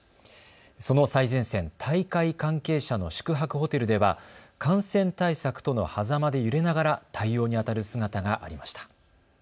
その最前線、大会関係者の宿泊ホテルでは感染対策とのはざまで揺れながら対応にあたる姿がありました。